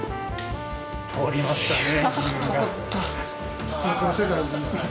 「通りましたね」。